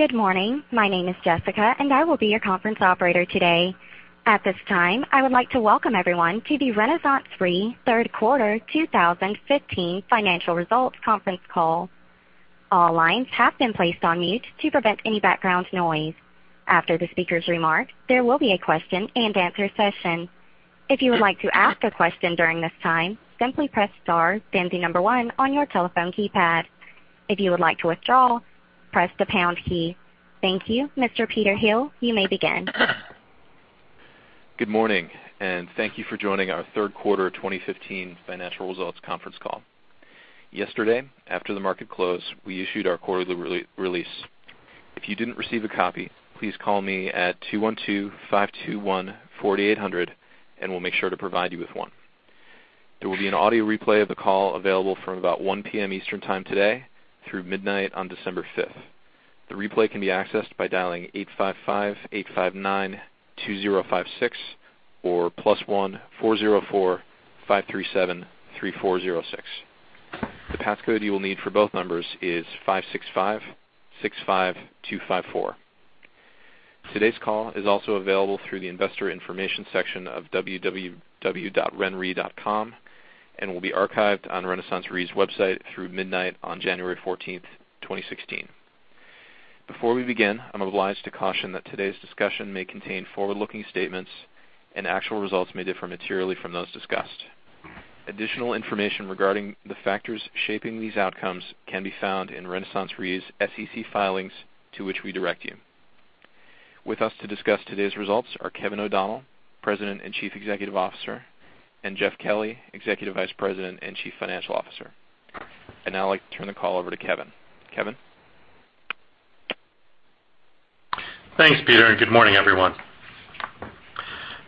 Good morning. My name is Jessica, and I will be your conference operator today. At this time, I would like to welcome everyone to the RenaissanceRe 3rd Quarter 2015 Financial Results Conference Call. All lines have been placed on mute to prevent any background noise. After the speaker's remarks, there will be a question and answer session. If you would like to ask a question during this time, simply press *1 on your telephone keypad. If you would like to withdraw, press the pound key. Thank you, Mr. Peter Hill. You may begin. Good morning. Thank you for joining our 3rd Quarter 2015 Financial Results Conference Call. Yesterday, after the market closed, we issued our quarterly re-release. If you didn't receive a copy, please call me at 212-521-4800. We'll make sure to provide you with one. There will be an audio replay of the call available from about 1:00 P.M. Eastern Time today through midnight on December 5th. The replay can be accessed by dialing 855-859-2056 or +1 404-537-3406. The passcode you will need for both numbers is 565-65254. Today's call is also available through the investor information section of www.renre.com. Will be archived on RenaissanceRe's website through midnight on January 14th, 2016. Before we begin, I'm obliged to caution that today's discussion may contain forward-looking statements. Actual results may differ materially from those discussed. Additional information regarding the factors shaping these outcomes can be found in RenaissanceRe's SEC filings to which we direct you. With us to discuss today's results are Kevin O'Donnell, President and Chief Executive Officer, and Jeff Kelly, Executive Vice President and Chief Financial Officer. I'd now like to turn the call over to Kevin. Kevin? Thanks, Peter. Good morning, everyone.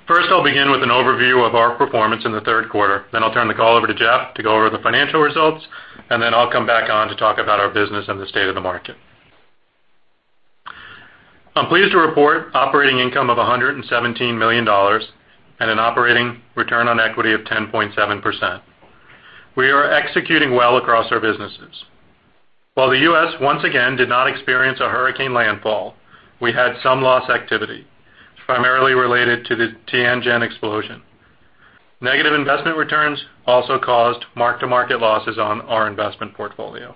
First, I'll begin with an overview of our performance in the 3rd quarter. I'll turn the call over to Jeff to go over the financial results. I'll come back on to talk about our business and the state of the market. I'm pleased to report operating income of $117 million and an operating return on equity of 10.7%. We are executing well across our businesses. While the U.S. once again did not experience a hurricane landfall, we had some loss activity, primarily related to the Tianjin explosion. Negative investment returns also caused mark-to-market losses on our investment portfolio.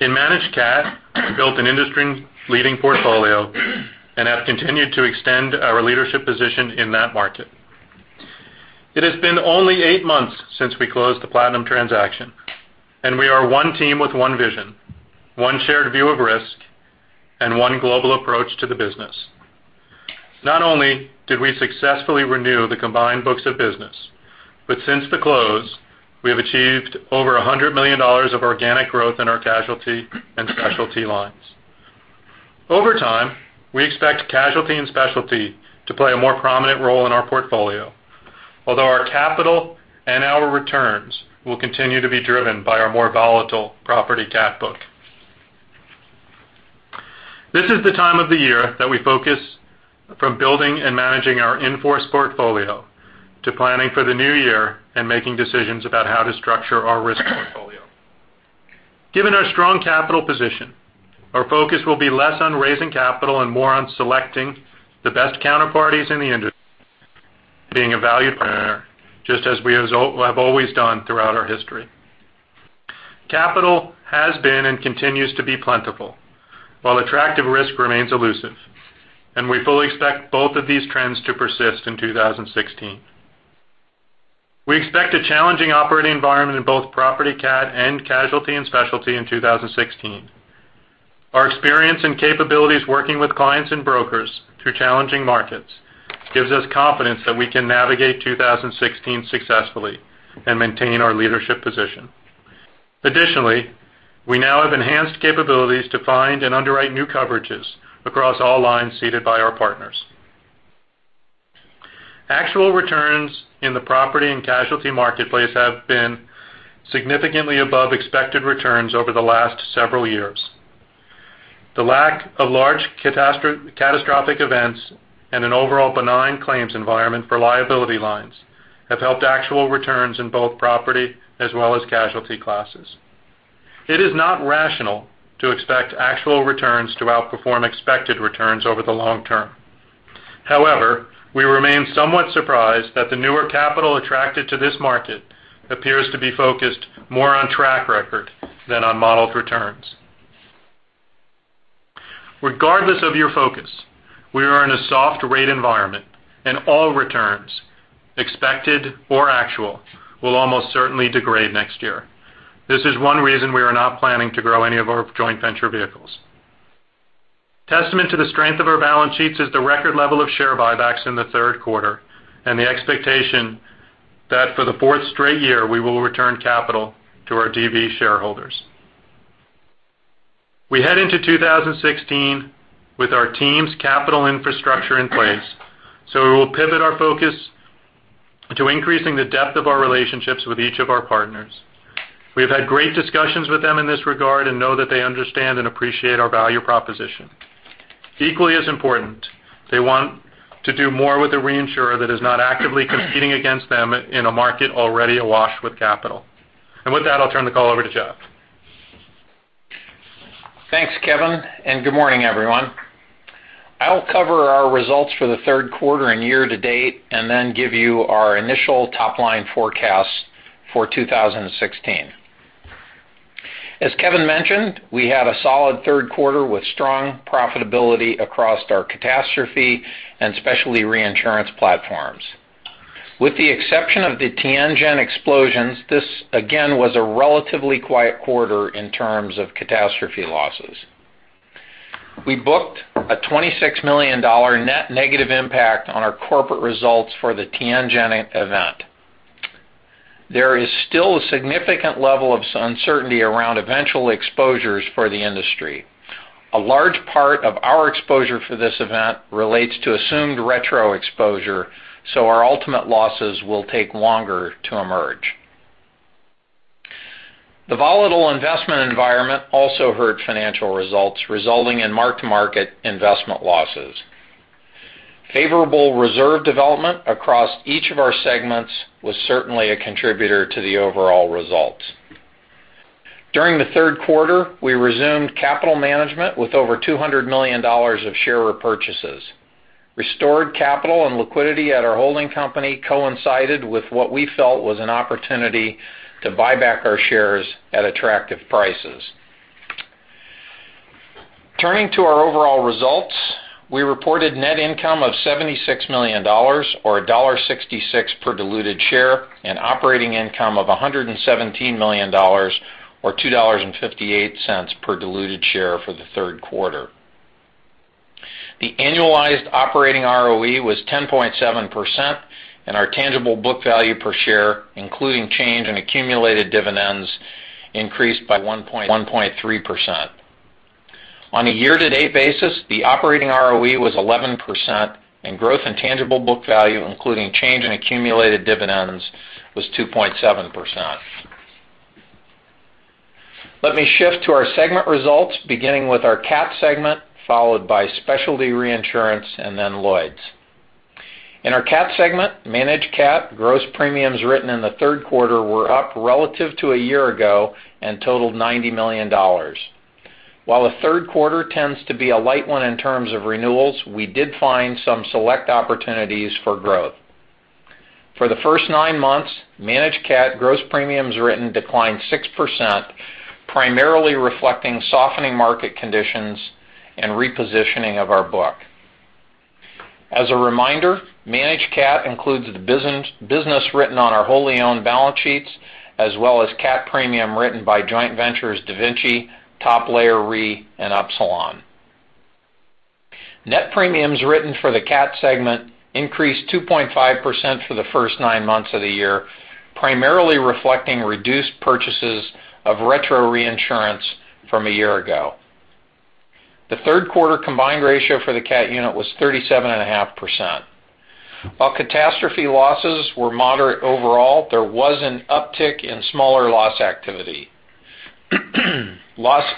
In Managed Catastrophe, we built an industry-leading portfolio and have continued to extend our leadership position in that market. It has been only eight months since we closed the Platinum transaction. We are one team with one vision, one shared view of risk, and one global approach to the business. Not only did we successfully renew the combined books of business, since the close, we have achieved over $100 million of organic growth in our casualty and specialty lines. Over time, we expect casualty and specialty to play a more prominent role in our portfolio, although our capital and our returns will continue to be driven by our more volatile Property Catastrophe book. This is the time of the year that we focus from building and managing our in-force portfolio to planning for the new year and making decisions about how to structure our risk portfolio. Given our strong capital position, our focus will be less on raising capital and more on selecting the best counterparties in the industry, being a valued partner, just as we have always done throughout our history. Capital has been and continues to be plentiful, while attractive risk remains elusive. We fully expect both of these trends to persist in 2016. We expect a challenging operating environment in both Property Catastrophe and casualty and specialty in 2016. Our experience and capabilities working with clients and brokers through challenging markets gives us confidence that we can navigate 2016 successfully and maintain our leadership position. Additionally, we now have enhanced capabilities to find and underwrite new coverages across all lines seated by our partners. Actual returns in the property and casualty marketplace have been significantly above expected returns over the last several years. The lack of large catastrophic events and an overall benign claims environment for liability lines have helped actual returns in both property as well as casualty classes. It is not rational to expect actual returns to outperform expected returns over the long term. We remain somewhat surprised that the newer capital attracted to this market appears to be focused more on track record than on modeled returns. Regardless of your focus, we are in a soft-rate environment, all returns, expected or actual, will almost certainly degrade next year. This is one reason we are not planning to grow any of our joint venture vehicles. Testament to the strength of our balance sheets is the record level of share buybacks in the 3rd quarter and the expectation that for the fourth straight year, we will return capital to our DaVinciRe shareholders. We head into 2016 with our team's capital infrastructure in place. We will pivot our focus to increasing the depth of our relationships with each of our partners. We have had great discussions with them in this regard and know that they understand and appreciate our value proposition. Equally as important, they want to do more with a reinsurer that is not actively competing against them in a market already awash with capital. With that, I'll turn the call over to Jeff. Thanks, Kevin, and good morning, everyone. I'll cover our results for the third quarter and year to date and then give you our initial top-line forecast for 2016. As Kevin mentioned, we had a solid third quarter with strong profitability across our catastrophe and specialty reinsurance platforms. With the exception of the Tianjin explosions, this, again, was a relatively quiet quarter in terms of catastrophe losses. We booked a $26 million net negative impact on our corporate results for the Tianjin event. There is still a significant level of uncertainty around eventual exposures for the industry. A large part of our exposure for this event relates to assumed retro exposure, so our ultimate losses will take longer to emerge. The volatile investment environment also hurt financial results, resulting in mark-to-market investment losses. Favorable reserve development across each of our segments was certainly a contributor to the overall results. During the third quarter, we resumed capital management with over $200 million of share repurchases. Restored capital and liquidity at our holding company coincided with what we felt was an opportunity to buy back our shares at attractive prices. Turning to our overall results, we reported net income of $76 million or $1.66 per diluted share and operating income of $117 million or $2.58 per diluted share for the third quarter. The annualized operating ROE was 10.7%, and our tangible book value per share, including change and accumulated dividends, increased by 1.3%. On a year-to-date basis, the operating ROE was 11%, and growth in tangible book value, including change and accumulated dividends, was 2.7%. Let me shift to our segment results, beginning with our CAT segment followed by specialty reinsurance and then Lloyd's. In our CAT segment, Managed CAT gross premiums written in the third quarter were up relative to a year ago and totaled $90 million. While the third quarter tends to be a light one in terms of renewals, we did find some select opportunities for growth. For the first nine months, Managed CAT gross premiums written declined 6%, primarily reflecting softening market conditions and repositioning of our book. As a reminder, Managed CAT includes the business written on our wholly-owned balance sheets as well as CAT premium written by joint ventures DaVinci, Top Layer Re, and Upsilon. Net premiums written for the CAT segment increased 2.5% for the first nine months of the year, primarily reflecting reduced purchases of retro reinsurance from a year ago. The third quarter combined ratio for the CAT unit was 37.5%. While catastrophe losses were moderate overall, there was an uptick in smaller loss activity.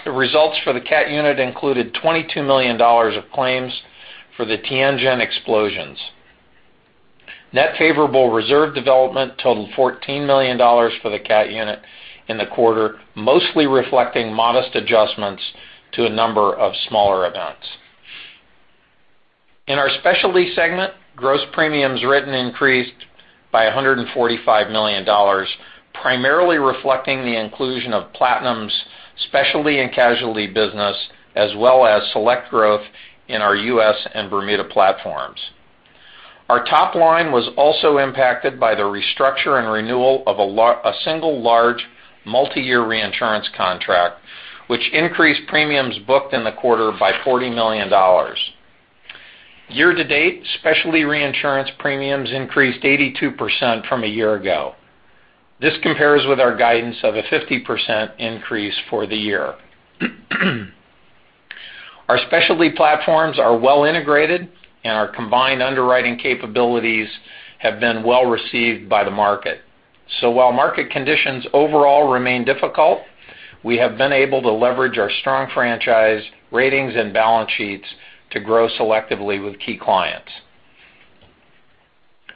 Results for the CAT unit included $22 million of claims for the Tianjin explosions. Net favorable reserve development totaled $14 million for the CAT unit in the quarter, mostly reflecting modest adjustments to a number of smaller events. In our specialty segment, gross premiums written increased by $145 million, primarily reflecting the inclusion of Platinum's specialty and casualty business as well as select growth in our U.S. and Bermuda platforms. Our top line was also impacted by the restructure and renewal of a single large multi-year reinsurance contract, which increased premiums booked in the quarter by $40 million. Year to date, specialty reinsurance premiums increased 82% from a year ago. This compares with our guidance of a 50% increase for the year. Our specialty platforms are well integrated, and our combined underwriting capabilities have been well received by the market. While market conditions overall remain difficult, we have been able to leverage our strong franchise ratings and balance sheets to grow selectively with key clients.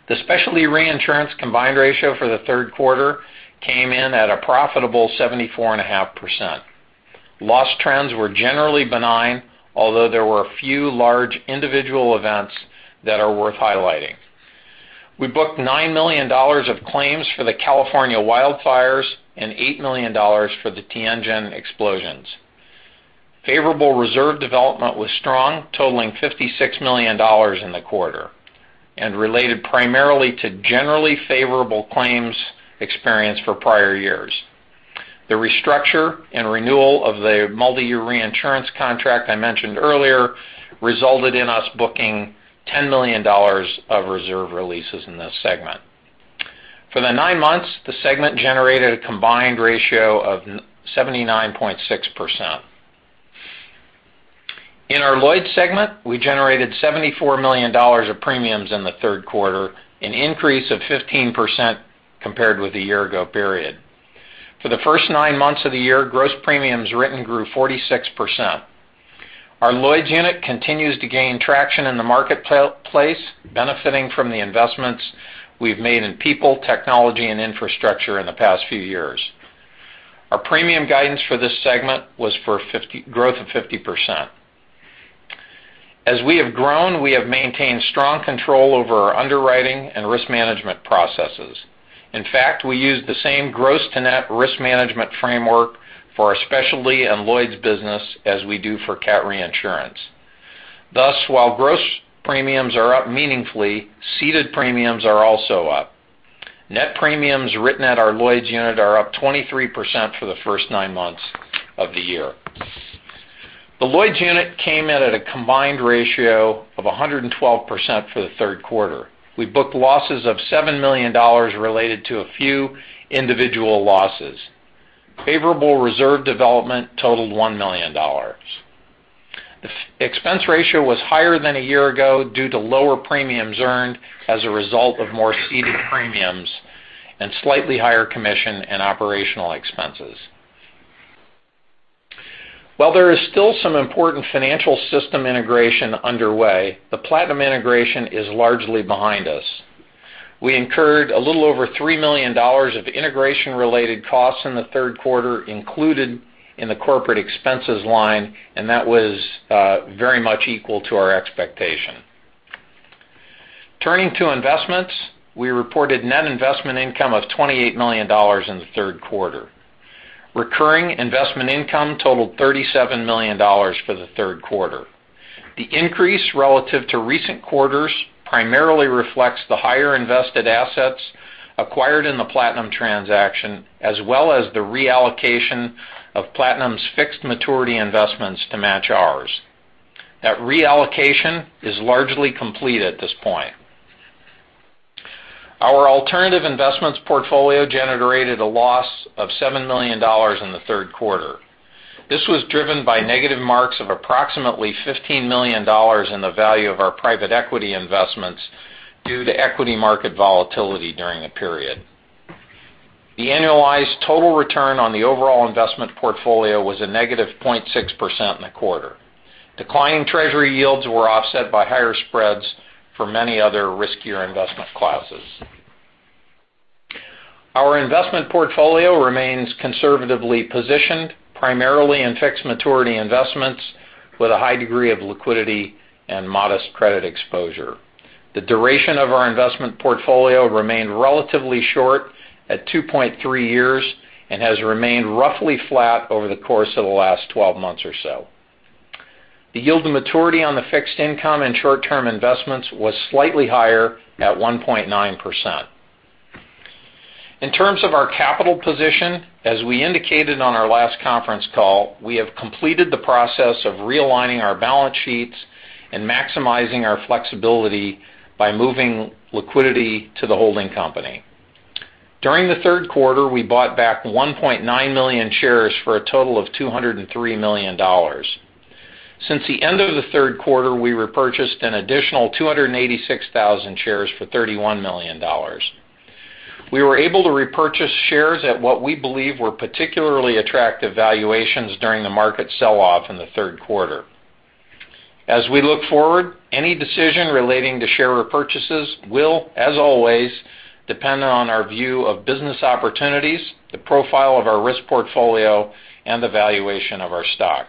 The specialty reinsurance combined ratio for the 3rd quarter came in at a profitable 74.5%. Loss trends were generally benign, although there were a few large individual events that are worth highlighting. We booked $9 million of claims for the California wildfires and $8 million for the Tianjin explosions. Favorable reserve development was strong, totaling $56 million in the quarter and related primarily to generally favorable claims experience for prior years. The restructure and renewal of the multi-year reinsurance contract I mentioned earlier resulted in us booking $10 million of reserve releases in this segment. For the nine months, the segment generated a combined ratio of 79.6%. In our Lloyd's segment, we generated $74 million of premiums in the 3rd quarter, an increase of 15% compared with a year ago period. For the first nine months of the year, gross premiums written grew 46%. Our Lloyd's unit continues to gain traction in the marketplace, benefiting from the investments we've made in people, technology, and infrastructure in the past few years. Our premium guidance for this segment was for growth of 50%. As we have grown, we have maintained strong control over our underwriting and risk management processes. In fact, we use the same gross-to-net risk management framework for our specialty and Lloyd's business as we do for CAT reinsurance. Thus, while gross premiums are up meaningfully, seated premiums are also up. Net premiums written at our Lloyd's unit are up 23% for the first nine months of the year. The Lloyd's unit came in at a combined ratio of 112% for the 3rd quarter. We booked losses of $7 million related to a few individual losses. Favorable reserve development totaled $1 million. The expense ratio was higher than a year ago due to lower premiums earned as a result of more seated premiums and slightly higher commission and operational expenses. While there is still some important financial system integration underway, the Platinum integration is largely behind us. We incurred a little over $3 million of integration-related costs in the 3rd quarter included in the corporate expenses line, and that was very much equal to our expectation. Turning to investments, we reported net investment income of $28 million in the 3rd quarter. Recurring investment income totaled $37 million for the 3rd quarter. The increase relative to recent quarters primarily reflects the higher invested assets acquired in the Platinum transaction as well as the reallocation of Platinum's fixed maturity investments to match ours. That reallocation is largely complete at this point. Our alternative investments portfolio generated a loss of $7 million in the 3rd quarter. This was driven by negative marks of approximately $15 million in the value of our private equity investments due to equity market volatility during the period. The annualized total return on the overall investment portfolio was a negative 0.6% in the quarter. Declining treasury yields were offset by higher spreads for many other riskier investment classes. Our investment portfolio remains conservatively positioned, primarily in fixed maturity investments with a high degree of liquidity and modest credit exposure. The duration of our investment portfolio remained relatively short at 2.3 years and has remained roughly flat over the course of the last 12 months or so. The yield to maturity on the fixed income and short-term investments was slightly higher at 1.9%. In terms of our capital position, as we indicated on our last conference call, we have completed the process of realigning our balance sheets and maximizing our flexibility by moving liquidity to the holding company. During the 3rd quarter, we bought back 1.9 million shares for a total of $203 million. Since the end of the 3rd quarter, we repurchased an additional 286,000 shares for $31 million. We were able to repurchase shares at what we believe were particularly attractive valuations during the market sell-off in the 3rd quarter. Looking forward, any decision relating to share repurchases will, as always, depend on our view of business opportunities, the profile of our risk portfolio, and the valuation of our stock.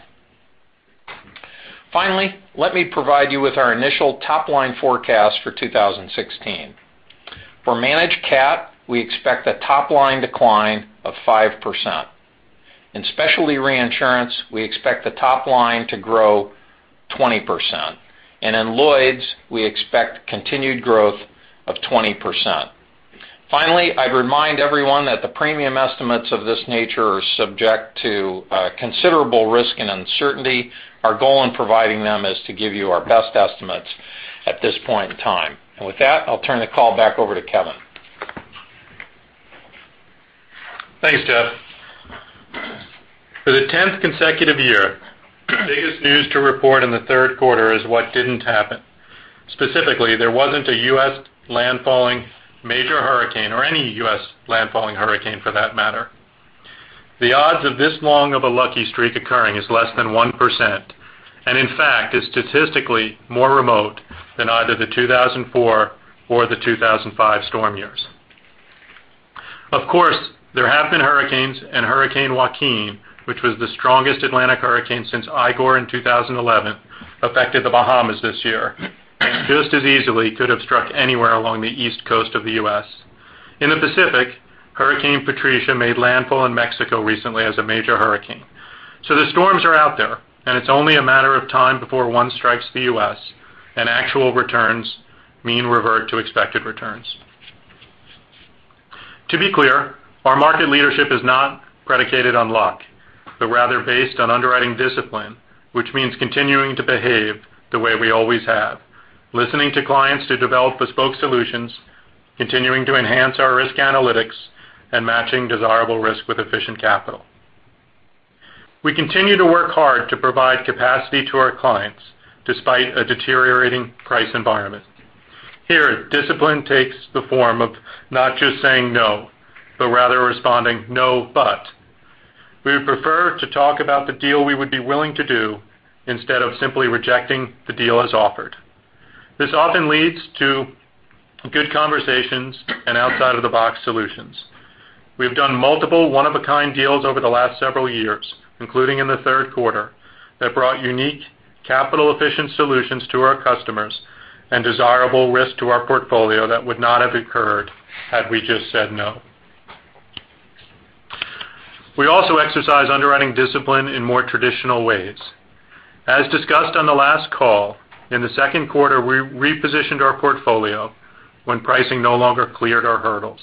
Finally, let me provide you with our initial top-line forecast for 2016. For Managed CAT, we expect a top-line decline of 5%. In specialty reinsurance, we expect the top line to grow 20%. In Lloyd's, we expect continued growth of 20%. Finally, I'd remind everyone that the premium estimates of this nature are subject to considerable risk and uncertainty. Our goal in providing them is to give you our best estimates at this point in time. With that, I'll turn the call back over to Kevin. Thanks, Jeff. For the 10th consecutive year, the biggest news to report in the 3rd quarter is what didn't happen. Specifically, there wasn't a U.S. landfalling major hurricane or any U.S. landfalling hurricane, for that matter. The odds of this long of a lucky streak occurring is less than 1% and, in fact, is statistically more remote than either the 2004 or the 2005 storm years. Of course, there have been hurricanes, Hurricane Joaquin, which was the strongest Atlantic hurricane since Igor in 2011, affected the Bahamas this year and just as easily could have struck anywhere along the east coast of the U.S. In the Pacific, Hurricane Patricia made landfall in Mexico recently as a major hurricane. The storms are out there, and it's only a matter of time before one strikes the U.S., and actual returns mean revert to expected returns. To be clear, our market leadership is not predicated on luck, but rather based on underwriting discipline, which means continuing to behave the way we always have, listening to clients to develop bespoke solutions, continuing to enhance our risk analytics, and matching desirable risk with efficient capital. We continue to work hard to provide capacity to our clients despite a deteriorating price environment. Here, discipline takes the form of not just saying no, but rather responding no but. We would prefer to talk about the deal we would be willing to do instead of simply rejecting the deal as offered. This often leads to good conversations and outside-of-the-box solutions. We've done multiple one-of-a-kind deals over the last several years, including in the 3rd quarter, that brought unique capital-efficient solutions to our customers and desirable risk to our portfolio that would not have occurred had we just said no. We also exercise underwriting discipline in more traditional ways. As discussed on the last call, in the 2nd quarter, we repositioned our portfolio when pricing no longer cleared our hurdles.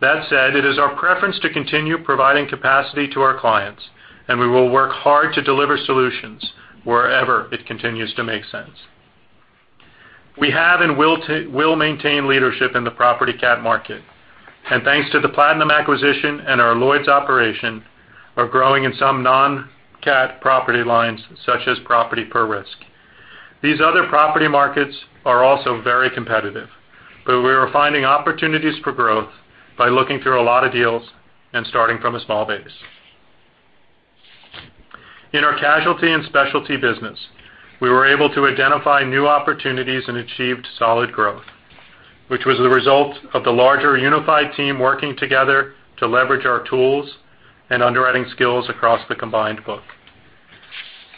That said, it is our preference to continue providing capacity to our clients, and we will work hard to deliver solutions wherever it continues to make sense. We have and will maintain leadership in the Property Catastrophe market. Thanks to the Platinum acquisition and our Lloyd's operation, we are growing in some non-CAT property lines such as property per risk. These other property markets are also very competitive, but we are finding opportunities for growth by looking through a lot of deals and starting from a small base. In our casualty and specialty business, we were able to identify new opportunities and achieved solid growth, which was the result of the larger unified team working together to leverage our tools and underwriting skills across the combined book.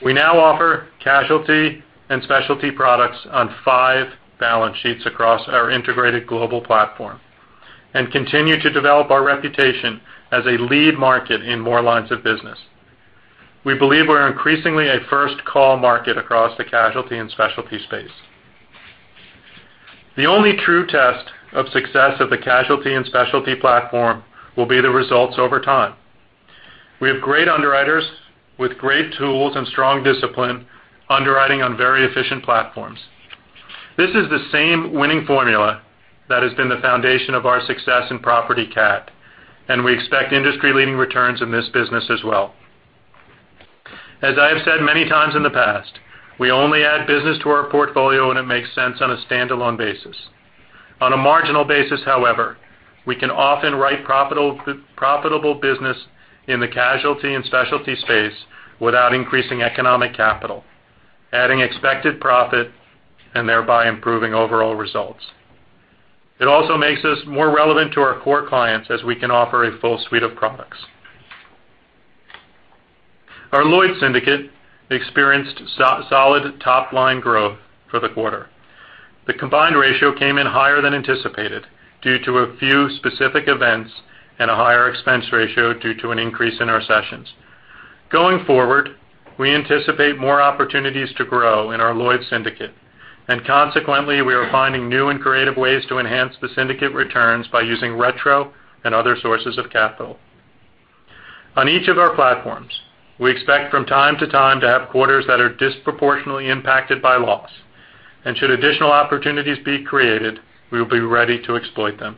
We now offer casualty and specialty products on five balance sheets across our integrated global platform and continue to develop our reputation as a lead market in more lines of business. We believe we are increasingly a first-call market across the casualty and specialty space. The only true test of success of the casualty and specialty platform will be the results over time. We have great underwriters with great tools and strong discipline underwriting on very efficient platforms. This is the same winning formula that has been the foundation of our success in Property Catastrophe, and we expect industry-leading returns in this business as well. As I have said many times in the past, we only add business to our portfolio when it makes sense on a standalone basis. On a marginal basis, however, we can often write profitable business in the casualty and specialty space without increasing economic capital, adding expected profit, and thereby improving overall results. It also makes us more relevant to our core clients as we can offer a full suite of products. Our Lloyd's syndicate experienced solid top-line growth for the quarter. The combined ratio came in higher than anticipated due to a few specific events and a higher expense ratio due to an increase in our cessions. Consequently, we anticipate more opportunities to grow in our Lloyd's syndicate, and we are finding new and creative ways to enhance the syndicate returns by using retrocession and other sources of capital. On each of our platforms, we expect from time to time to have quarters that are disproportionately impacted by loss. Should additional opportunities be created, we will be ready to exploit them.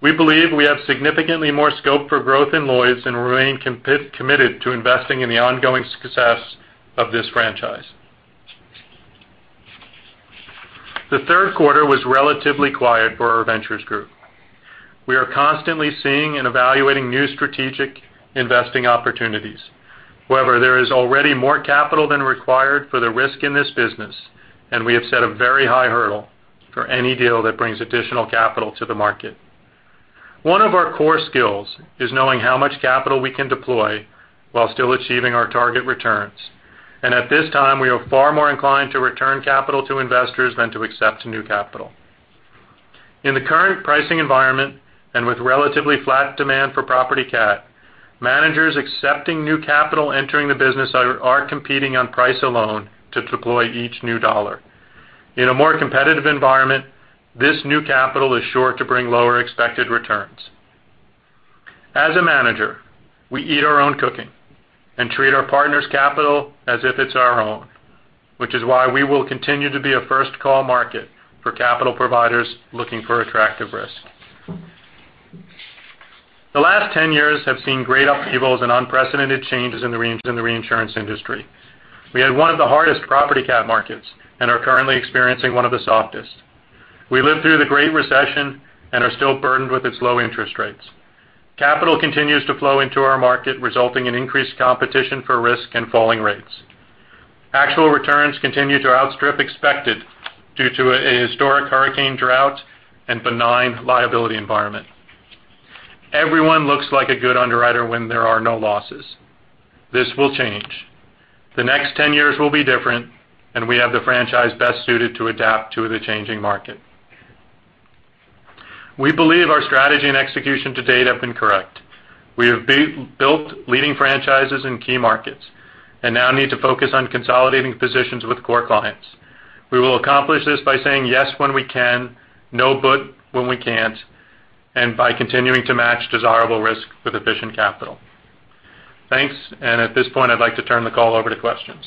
We believe we have significantly more scope for growth in Lloyd's and remain committed to investing in the ongoing success of this franchise. The 3rd quarter was relatively quiet for our ventures group. We are constantly seeing and evaluating new strategic investing opportunities. However, there is already more capital than required for the risk in this business, and we have set a very high hurdle for any deal that brings additional capital to the market. One of our core skills is knowing how much capital we can deploy while still achieving our target returns. At this time, we are far more inclined to return capital to investors than to accept new capital. In the current pricing environment and with relatively flat demand for Property Catastrophe, managers accepting new capital entering the business are competing on price alone to deploy each new dollar. In a more competitive environment, this new capital is sure to bring lower expected returns. As a manager, we eat our own cooking and treat our partner's capital as if it's our own, which is why we will continue to be a first-call market for capital providers looking for attractive risk. The last 10 years have seen great upheavals and unprecedented changes in the reinsurance industry. We had one of the hardest Property Catastrophe markets and are currently experiencing one of the softest. We lived through the Great Recession and are still burdened with its low interest rates. Capital continues to flow into our market, resulting in increased competition for risk and falling rates. Actual returns continue to outstrip expected due to a historic hurricane drought and benign liability environment. Everyone looks like a good underwriter when there are no losses. This will change. The next 10 years will be different, and we have the franchise best suited to adapt to the changing market. We believe our strategy and execution to date have been correct. We have built leading franchises in key markets and now need to focus on consolidating positions with core clients. We will accomplish this by saying yes when we can, no but when we can't, and by continuing to match desirable risk with efficient capital. Thanks. At this point, I'd like to turn the call over to questions.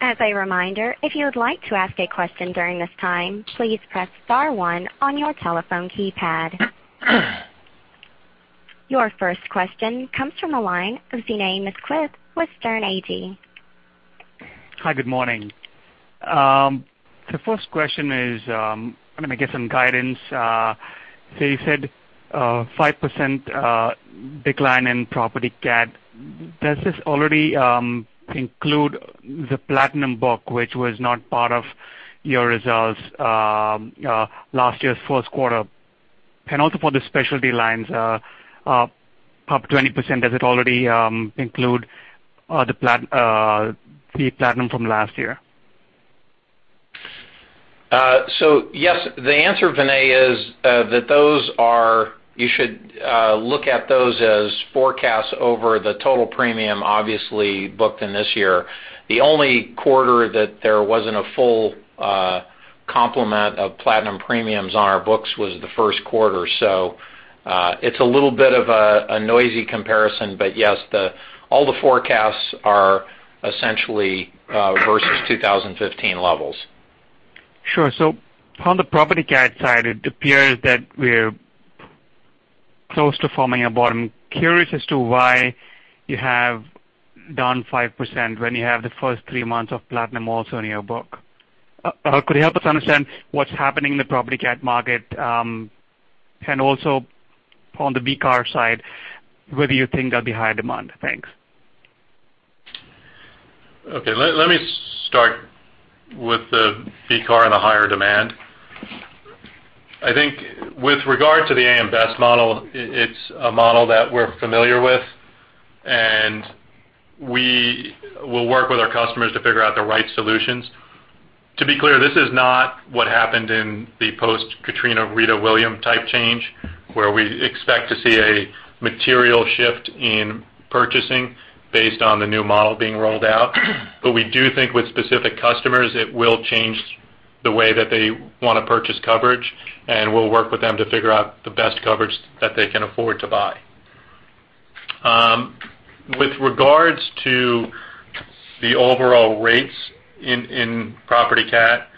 As a reminder, if you would like to ask a question during this time, please press star 1 on your telephone keypad. Your first question comes from a line of Vinay Misquith with Sterne Agee. Hi. Good morning. The first question is, I mean, I guess some guidance. You said 5% decline in Property Catastrophe. Does this already include the Platinum book, which was not part of your results last year's first quarter? And also for the specialty lines, up 20%, does it already include the Platinum from last year? Yes. The answer, Vinay, is that you should look at those as forecasts over the total premium, obviously, booked in this year. The only quarter that there wasn't a full complement of Platinum premiums on our books was the first quarter. It's a little bit of a noisy comparison, but yes, all the forecasts are essentially versus 2015 levels. Sure. On the Property Catastrophe side, it appears that we're close to forming a bottom. Curious as to why you have down 5% when you have the first three months of Platinum also in your book. Could you help us understand what's happening in the Property Catastrophe market and also on the BCAR side, whether you think there'll be higher demand? Thanks. Okay. Let me start with the BCAR and the higher demand. I think with regard to the AM Best model, it's a model that we're familiar with, and we will work with our customers to figure out the right solutions. To be clear, this is not what happened in the post-Katrina Rita Wilma type change where we expect to see a material shift in purchasing based on the new model being rolled out. We do think with specific customers, it will change the way that they want to purchase coverage, and we'll work with them to figure out the best coverage that they can afford to buy. With regards to the overall rates in property CAT,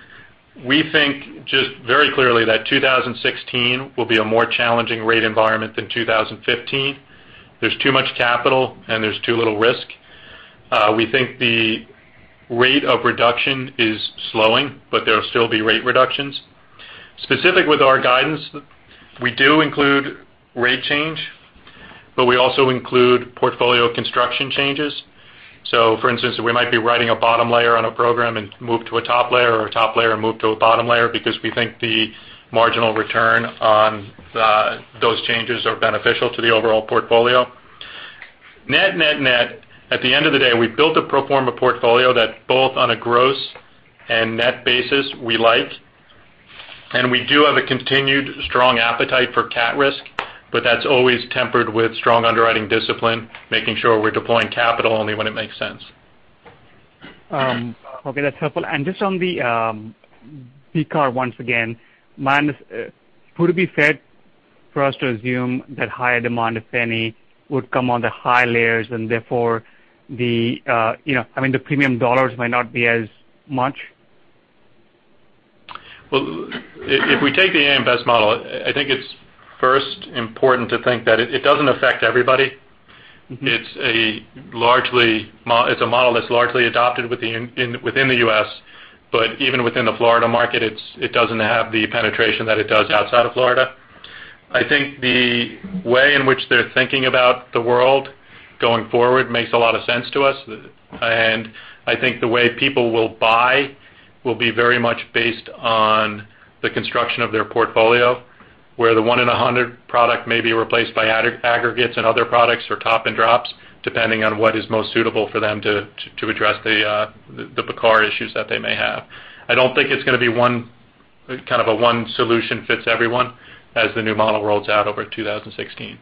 we think just very clearly that 2016 will be a more challenging rate environment than 2015. There's too much capital, and there's too little risk. We think the rate of reduction is slowing, but there will still be rate reductions. Specific with our guidance, we do include rate change, but we also include portfolio construction changes. For instance, we might be writing a bottom layer on a program and move to a top layer, or a top layer and move to a bottom layer because we think the marginal return on those changes are beneficial to the overall portfolio. Net, net, at the end of the day, we built a proforma portfolio that both on a gross and net basis, we like. We do have a continued strong appetite for CAT risk, but that's always tempered with strong underwriting discipline, making sure we're deploying capital only when it makes sense. Okay. That's helpful. Just on the BCAR once again, would it be fair for us to assume that higher demand, if any, would come on the high layers and therefore I mean, the premium dollars might not be as much? Well, if we take the AM Best model, I think it's first important to think that it doesn't affect everybody. It's a model that's largely adopted within the U.S., but even within the Florida market, it doesn't have the penetration that it does outside of Florida. I think the way in which they're thinking about the world going forward makes a lot of sense to us. I think the way people will buy will be very much based on the construction of their portfolio, where the 1 in 100 product may be replaced by aggregates and other products or top and drop depending on what is most suitable for them to address the BCAR issues that they may have. I don't think it's going to be kind of a one solution fits everyone as the new model rolls out over 2016.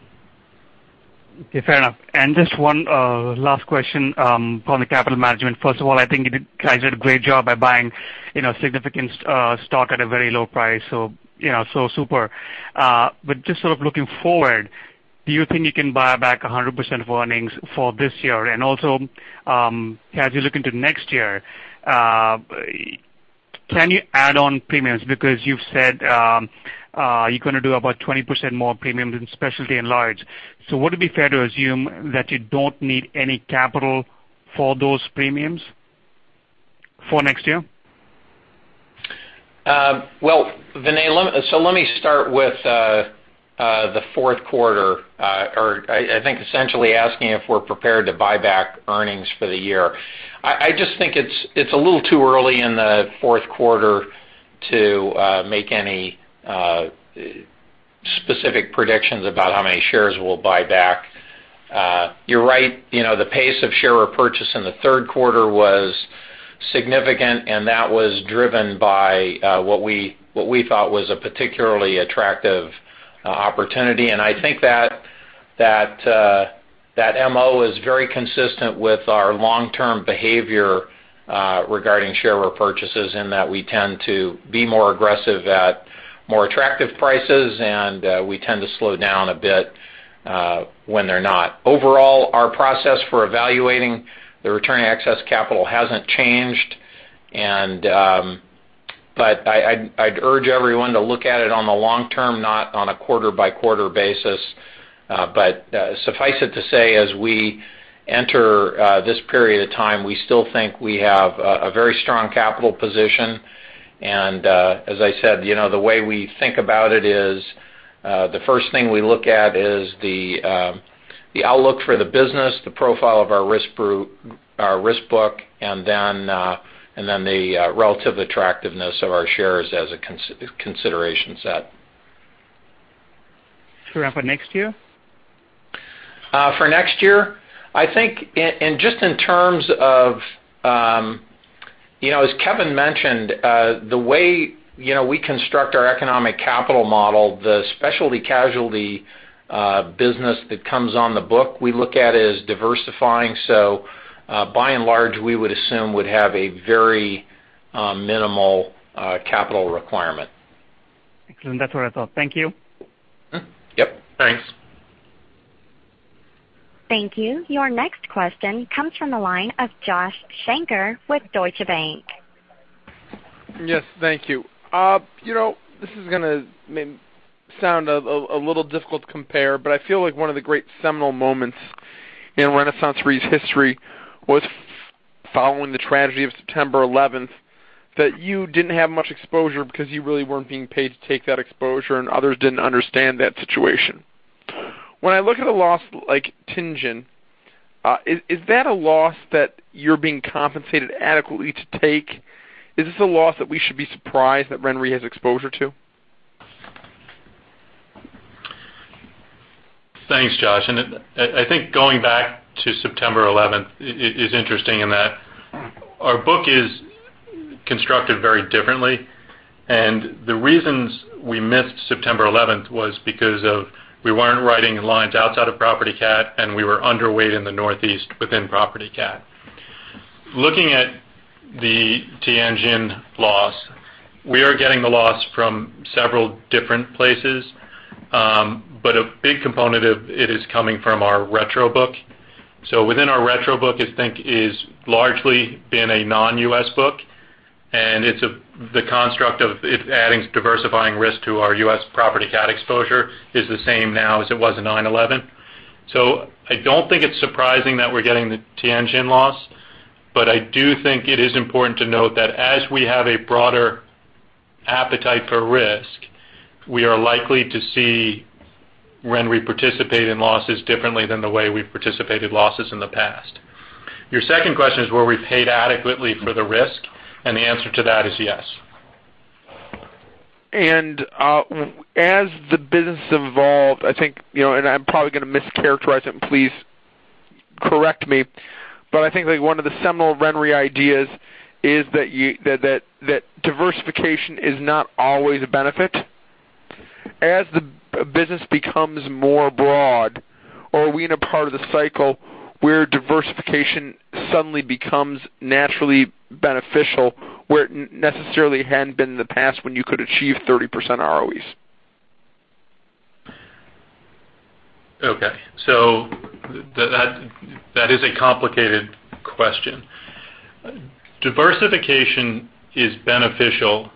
Okay. Fair enough. Just one last question on the capital management. First of all, I think you guys did a great job by buying a significant stock at a very low price. Super. Just sort of looking forward, do you think you can buy back 100% of earnings for this year? Also, as you look into next year, can you add on premiums? Because you've said you're going to do about 20% more premiums in specialty and Lloyd's. Would it be fair to assume that you don't need any capital for those premiums for next year? Well, Vinay, let me start with the fourth quarter or I think essentially asking if we're prepared to buy back earnings for the year. I just think it's a little too early in the fourth quarter to make any specific predictions about how many shares we'll buy back. You're right. The pace of share repurchase in the third quarter was significant, and that was driven by what we thought was a particularly attractive opportunity. I think that MO is very consistent with our long-term behavior regarding share repurchases in that we tend to be more aggressive at more attractive prices, and we tend to slow down a bit when they're not. Overall, our process for evaluating the return to excess capital hasn't changed. I'd urge everyone to look at it on the long term, not on a quarter-by-quarter basis. suffice it to say, as we enter this period of time, we still think we have a very strong capital position. As I said, the way we think about it is the first thing we look at is the outlook for the business, the profile of our risk book, and then the relative attractiveness of our shares as a consideration set. Fair enough. Next year? For next year, I think just in terms of as Kevin mentioned, the way we construct our economic capital model, the specialty casualty business that comes on the book, we look at it as diversifying. By and large, we would assume we'd have a very minimal capital requirement. Excellent. That's what I thought. Thank you. Yep. Thanks. Thank you. Your next question comes from a line of Josh Shanker with Deutsche Bank. Yes. Thank you. This is going to sound a little difficult to compare, but I feel like one of the great seminal moments in RenaissanceRe's history was following the tragedy of September 11th that you didn't have much exposure because you really weren't being paid to take that exposure, and others didn't understand that situation. When I look at a loss like Tianjin, is that a loss that you're being compensated adequately to take? Is this a loss that we should be surprised that RenRe has exposure to? Thanks, Josh. I think going back to September 11th is interesting in that our book is constructed very differently. The reasons we missed September 11th was because we weren't writing lines outside of Property Catastrophe, and we were underweight in the Northeast within Property Catastrophe. Looking at the Tianjin loss, we are getting the loss from several different places, but a big component of it is coming from our retrocession book. Within our retrocession book, I think, it's largely been a non-U.S. book. The construct of adding diversifying risk to our U.S. Property Catastrophe exposure is the same now as it was in 9/11. I don't think it's surprising that we're getting the Tianjin loss, but I do think it is important to note that as we have a broader appetite for risk, we are likely to see RenRe participate in losses differently than the way we've participated losses in the past. Your second question is, were we paid adequately for the risk? The answer to that is yes. As the business evolved, I think I'm probably going to mischaracterize it, please correct me. I think one of the seminal RenRe ideas is that diversification is not always a benefit. As the business becomes more broad, or are we in a part of the cycle where diversification suddenly becomes naturally beneficial where it necessarily hadn't been in the past when you could achieve 30% ROEs? Okay. That is a complicated question. Diversification is beneficial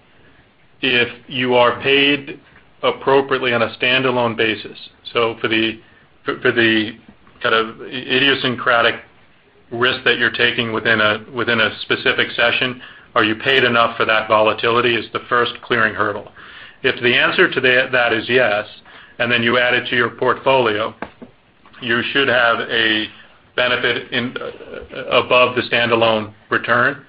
if you are paid appropriately on a standalone basis. For the kind of idiosyncratic risk that you're taking within a specific session, are you paid enough for that volatility is the first clearing hurdle. If the answer to that is yes, you add it to your portfolio, you should have a benefit above the standalone return.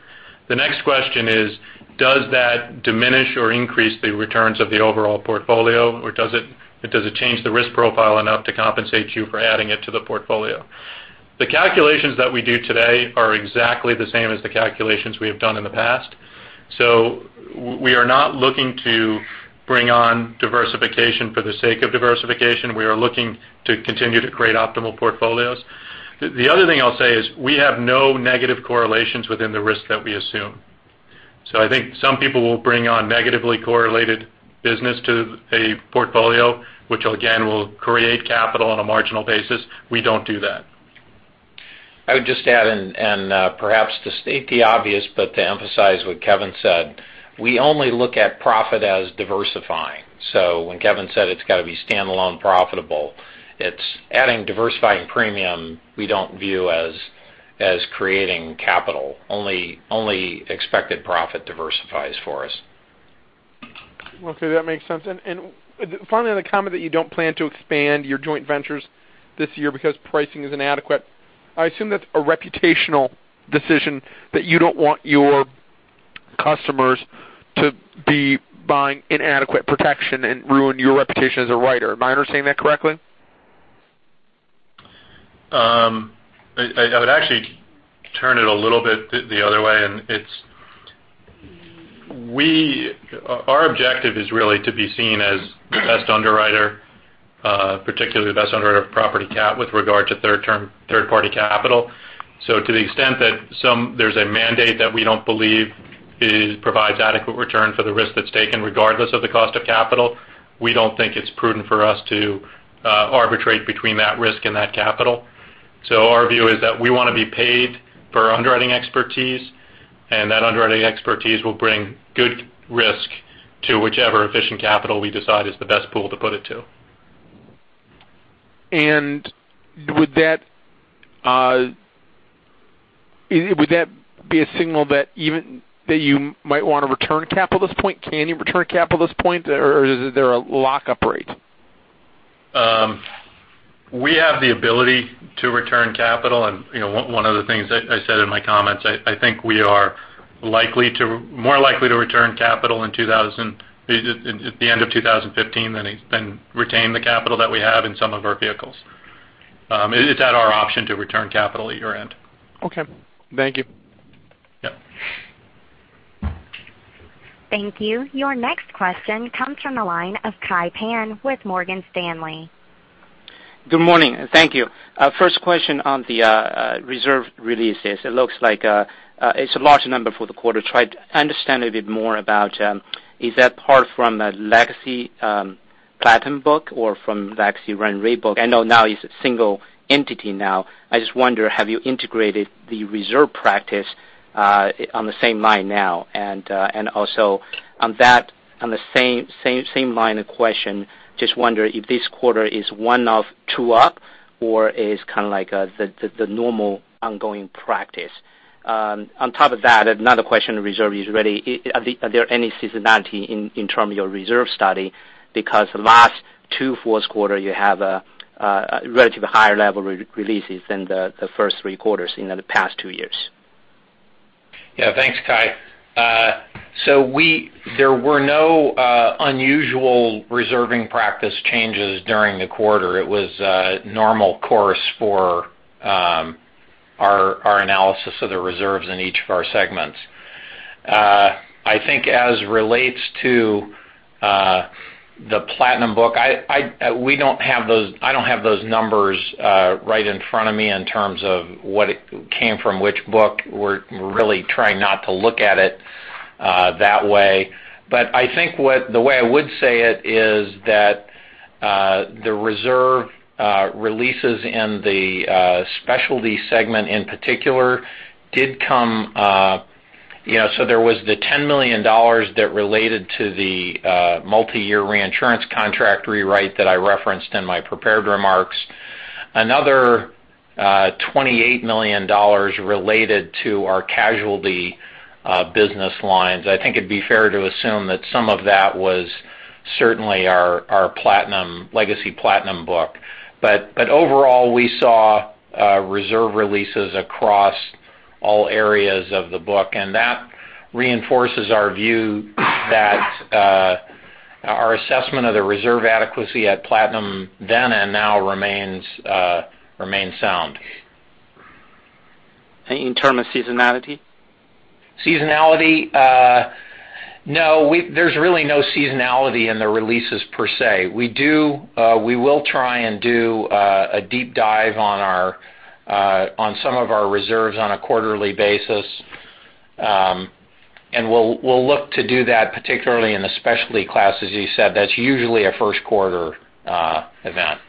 The next question is, does that diminish or increase the returns of the overall portfolio, or does it change the risk profile enough to compensate you for adding it to the portfolio? The calculations that we do today are exactly the same as the calculations we have done in the past. We are not looking to bring on diversification for the sake of diversification. We are looking to continue to create optimal portfolios. The other thing I'll say is we have no negative correlations within the risk that we assume. I think some people will bring on negatively correlated business to a portfolio, which, again, will create capital on a marginal basis. We don't do that. I would just add, perhaps to state the obvious to emphasize what Kevin said, we only look at profit as diversifying. When Kevin said it's got to be standalone, profitable, adding diversifying premium, we don't view as creating capital. Only expected profit diversifies for us. Okay. That makes sense. Finally, on the comment that you don't plan to expand your joint ventures this year because pricing is inadequate, I assume that's a reputational decision that you don't want your customers to be buying inadequate protection and ruin your reputation as a writer. Am I understanding that correctly? I would actually turn it a little bit the other way. Our objective is really to be seen as the best underwriter, particularly the best underwriter of Property Catastrophe with regard to third-party capital. To the extent that there's a mandate that we don't believe provides adequate return for the risk that's taken regardless of the cost of capital, we don't think it's prudent for us to arbitrate between that risk and that capital. Our view is that we want to be paid for underwriting expertise, and that underwriting expertise will bring good risk to whichever efficient capital we decide is the best pool to put it to. Would that be a signal that you might want to return capital at this point? Can you return capital at this point, or is there a lockup rate? We have the ability to return capital. One of the things I said in my comments, I think we are more likely to return capital at the end of 2015 than retain the capital that we have in some of our vehicles. It's at our option to return capital at year end. Okay. Thank you. Yep. Thank you. Your next question comes from a line of Kai Pan with Morgan Stanley. Good morning. Thank you. First question on the reserve releases. It looks like it's a large number for the quarter. Try to understand a bit more about is that part from a legacy Platinum book or from legacy RenRe book? I know now it's a single entity now. I just wonder, have you integrated the reserve practice on the same line now? Also on the same line of question, just wonder if this quarter is one-off, true-up, or it's kind of like the normal ongoing practice. Another question, the reserve releases. Are there any seasonality in terms of your reserve study? Last two fourth quarters, you have a relatively higher level of releases than the first three quarters in the past two years. Yeah. Thanks, Kai. There were no unusual reserving practice changes during the quarter. It was normal course for our analysis of the reserves in each of our segments. I think as relates to the Platinum book, I don't have those numbers right in front of me in terms of what came from which book. We're really trying not to look at it that way. I think the way I would say it is that the reserve releases in the specialty segment in particular did come so there was the $10 million that related to the multi-year reinsurance contract rewrite that I referenced in my prepared remarks. Another $28 million related to our casualty business lines. I think it'd be fair to assume that some of that was certainly our legacy Platinum book. Overall, we saw reserve releases across all areas of the book. That reinforces our view that our assessment of the reserve adequacy at Platinum then and now remains sound. In terms of seasonality? Seasonality? No. There's really no seasonality in the releases per se. We will try and do a deep dive on some of our reserves on a quarterly basis. We'll look to do that, particularly in the specialty class, as you said. That's usually a first-quarter event.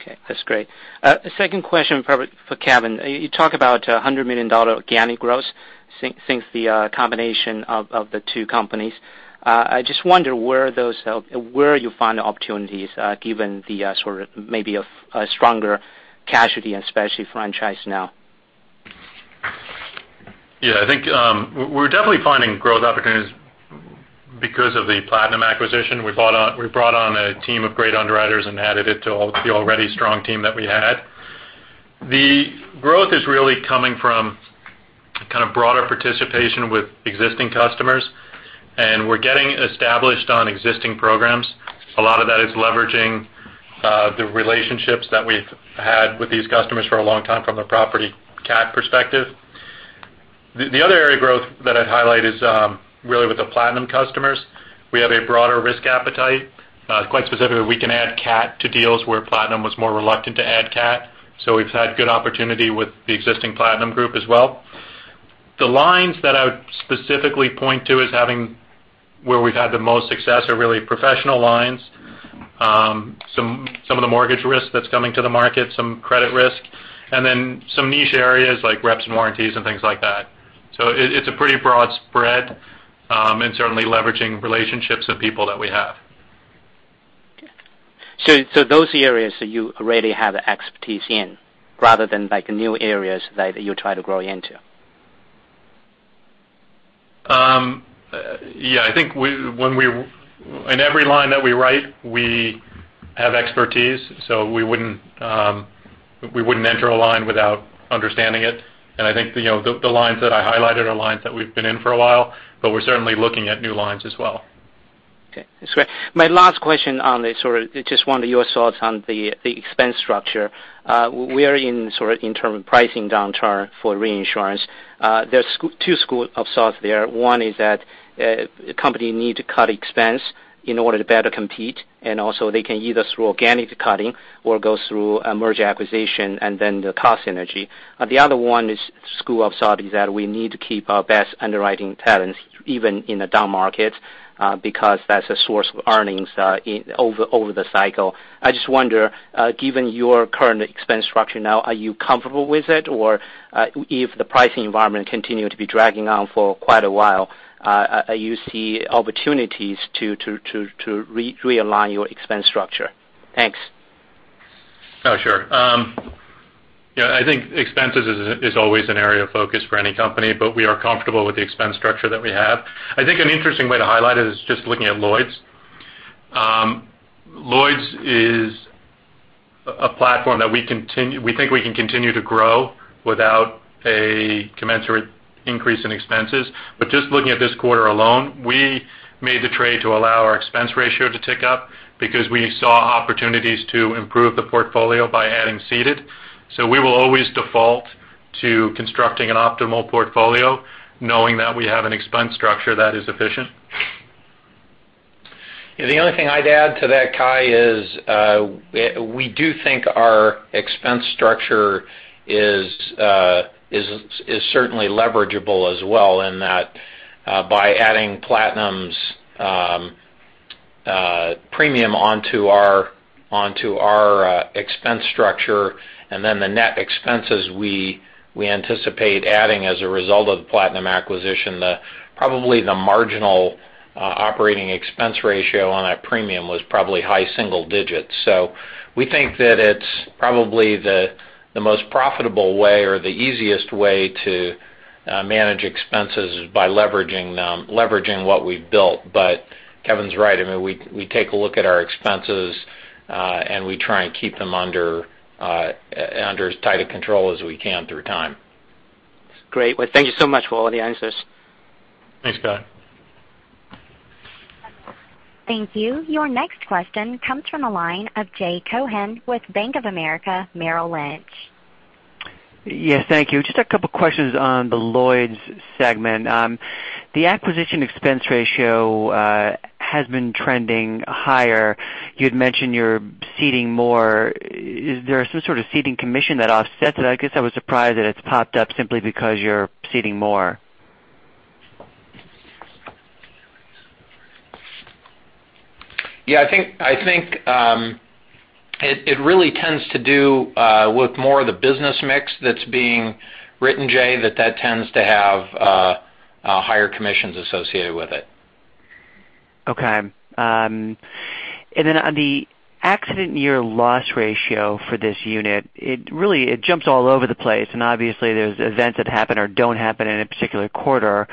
Okay. That's great. Second question for Kevin. You talk about $100 million organic growth since the combination of the two companies. I just wonder where you find the opportunities given the sort of maybe a stronger casualty and specialty franchise now. I think we're definitely finding growth opportunities because of the Platinum acquisition. We brought on a team of great underwriters and added it to the already strong team that we had. The growth is really coming from kind of broader participation with existing customers. And we're getting established on existing programs. A lot of that is leveraging the relationships that we've had with these customers for a long time from the property CAT perspective. The other area of growth that I'd highlight is really with the Platinum customers. Quite specifically, we can add CAT to deals where Platinum was more reluctant to add CAT. We've had good opportunity with the existing Platinum group as well. The lines that I would specifically point to as having where we've had the most success are really professional lines, some of the mortgage risk that's coming to the market, some credit risk, and then some niche areas like reps and warranties and things like that. It's a pretty broad spread and certainly leveraging relationships and people that we have. Those areas that you already have expertise in rather than new areas that you try to grow into? I think in every line that we write, we have expertise. We wouldn't enter a line without understanding it. I think the lines that I highlighted are lines that we've been in for a while, we're certainly looking at new lines as well. Okay. That's great. My last question on the sort of just wonder your thoughts on the expense structure. We are in sort of in terms of pricing downturn for reinsurance. There is two schools of thoughts there. One is that companies need to cut expense in order to better compete, and also they can either through organic cutting or go through a merger acquisition and then the cost synergy. The other one school of thought is that we need to keep our best underwriting talents even in the down markets because that's a source of earnings over the cycle. I just wonder, given your current expense structure now, are you comfortable with it? Or if the pricing environment continues to be dragging on for quite a while, are you seeing opportunities to realign your expense structure? Thanks. Oh, sure. I think expenses is always an area of focus for any company, but we are comfortable with the expense structure that we have. I think an interesting way to highlight it is just looking at Lloyd's. Lloyd's is a platform that we think we can continue to grow without a commensurate increase in expenses. Just looking at this quarter alone, we made the trade to allow our expense ratio to tick up because we saw opportunities to improve the portfolio by adding ceded. We will always default to constructing an optimal portfolio knowing that we have an expense structure that is efficient. Yeah. The only thing I'd add to that, Kai, is we do think our expense structure is certainly leverageable as well in that by adding Platinum's premium onto our expense structure and then the net expenses we anticipate adding as a result of the Platinum acquisition, probably the marginal operating expense ratio on that premium was probably high single digits. We think that it's probably the most profitable way or the easiest way to manage expenses is by leveraging what we've built. Kevin's right. I mean, we take a look at our expenses, and we try and keep them under as tight a control as we can through time. Great. Well, thank you so much for all the answers. Thanks, Kai. Thank you. Your next question comes from a line of Jay Cohen with Bank of America, Merrill Lynch. Yes. Thank you. Just a couple of questions on the Lloyd's segment. The acquisition expense ratio has been trending higher. You had mentioned you're ceding more. Is there some sort of ceding commission that offsets it? I guess I was surprised that it's popped up simply because you're ceding more. Yeah. I think it really tends to do with more of the business mix that's being written, Jay, that tends to have higher commissions associated with it. Okay. Then on the accident year loss ratio for this unit, really, it jumps all over the place. Obviously, there's events that happen or don't happen in a particular quarter.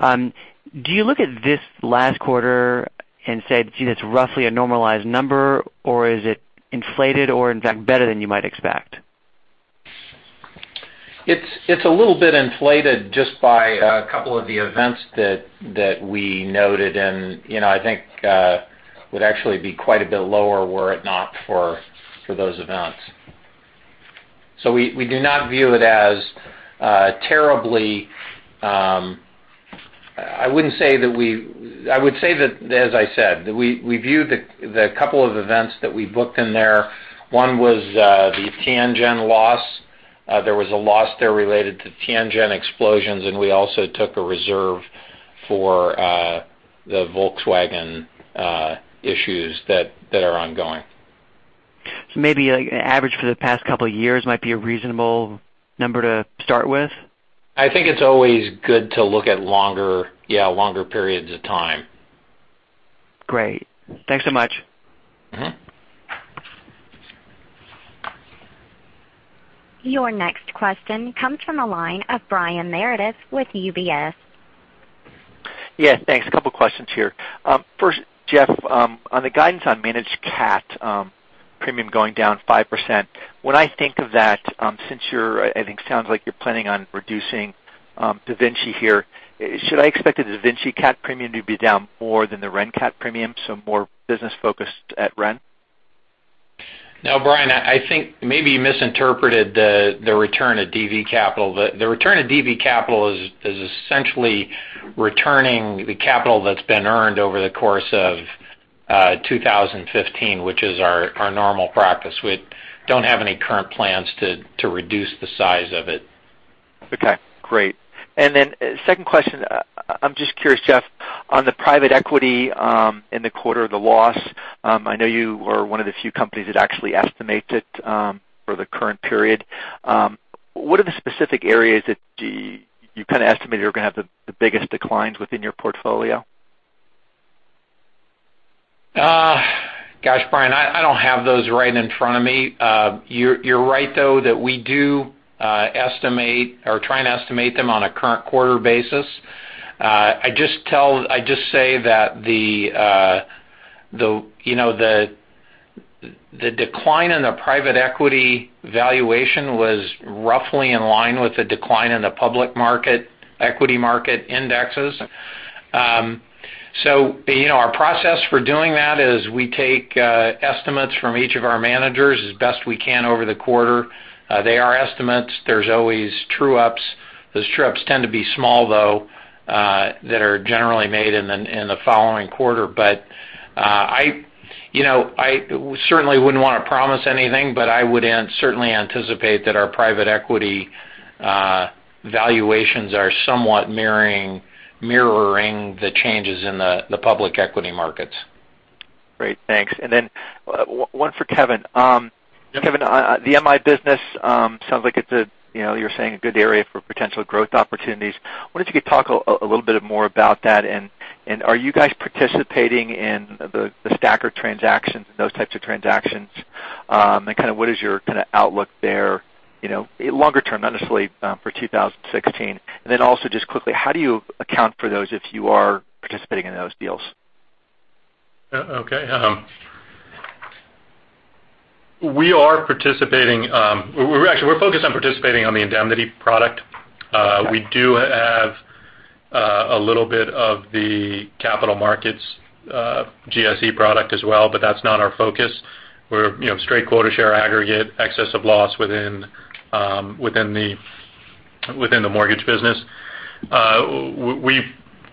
Do you look at this last quarter and say, "Do you see that's roughly a normalized number, or is it inflated or, in fact, better than you might expect? It's a little bit inflated just by a couple of the events that we noted. I think it would actually be quite a bit lower were it not for those events. We do not view it as terribly I would say that, as I said, we viewed the couple of events that we booked in there. One was the Tianjin loss. There was a loss there related to Tianjin explosions, and we also took a reserve for the Volkswagen issues that are ongoing. Maybe an average for the past couple of years might be a reasonable number to start with? I think it's always good to look at, yeah, longer periods of time. Great. Thanks so much. Your next question comes from a line of Brian Meredith with UBS. Yes. Thanks. A couple of questions here. First, Jeff, on the guidance on Managed CAT premium going down 5%, when I think of that, since I think it sounds like you're planning on reducing DaVinci here, should I expect the DaVinci CAT premium to be down more than the RenRe CAT premium, so more business-focused at RenRe? No, Brian. I think maybe you misinterpreted the return of DaVinciRe capital. The return of DaVinciRe capital is essentially returning the capital that's been earned over the course of 2015, which is our normal practice. We don't have any current plans to reduce the size of it. Okay. Great. Second question, I'm just curious, Jeff, on the private equity in the quarter, the loss, I know you were one of the few companies that actually estimated it for the current period. What are the specific areas that you kind of estimated are going to have the biggest declines within your portfolio? Gosh, Brian, I don't have those right in front of me. You're right, though, that we do estimate or try and estimate them on a current quarter basis. I just say that the decline in the private equity valuation was roughly in line with the decline in the public equity market indexes. Our process for doing that is we take estimates from each of our managers as best we can over the quarter. They are estimates. There's always true-ups. Those true-ups tend to be small, though, that are generally made in the following quarter. I certainly wouldn't want to promise anything, but I would certainly anticipate that our private equity valuations are somewhat mirroring the changes in the public equity markets. Great. Thanks. One for Kevin. Kevin, the MI business sounds like it's a, you were saying, a good area for potential growth opportunities. Why don't you talk a little bit more about that? Are you guys participating in the STACR transactions, those types of transactions? What is your kind of outlook there longer term, not necessarily for 2016? Also just quickly, how do you account for those if you are participating in those deals? Okay. We are participating actually, we're focused on participating on the indemnity product. We do have a little bit of the capital markets GSE product as well, but that's not our focus. We're straight quota share aggregate excess of loss within the mortgage business. We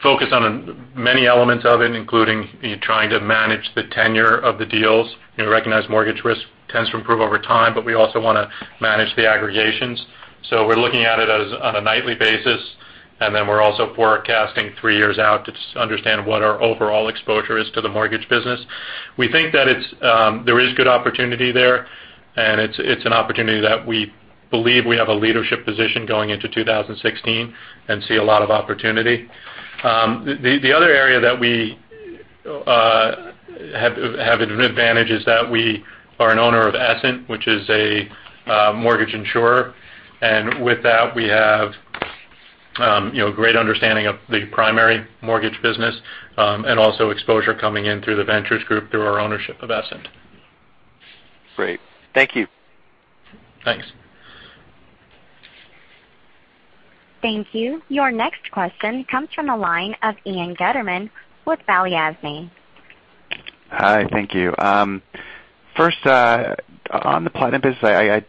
focus on many elements of it, including trying to manage the tenure of the deals. Recognize mortgage risk tends to improve over time, but we also want to manage the aggregations. We're looking at it on a nightly basis, and then we're also forecasting three years out to understand what our overall exposure is to the mortgage business. We think that there is good opportunity there, and it's an opportunity that we believe we have a leadership position going into 2016 and see a lot of opportunity. The other area that we have an advantage is that we are an owner of Essent, which is a mortgage insurer. With that, we have a great understanding of the primary mortgage business and also exposure coming in through the ventures group through our ownership of Essent. Great. Thank you. Thanks. Thank you. Your next question comes from a line of Ian Gutterman with Balyasny AM. Hi. Thank you. First, on the Platinum business, I